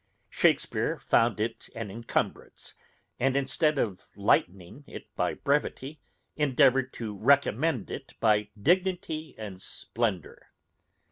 Shakespeare found it an encumberance, and instead of lightening it by brevity, endeavoured to recommend it by dignity and splendour.